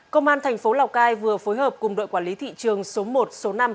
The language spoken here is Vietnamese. công an thành phố lào cai vừa phối hợp cùng đội quản lý thị trường số một số năm